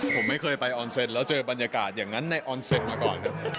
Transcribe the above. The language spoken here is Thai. ผมไม่เคยไปออนเซ็นต์แล้วเจอบรรยากาศอย่างนั้นในออนเซ็นต์มาก่อนครับ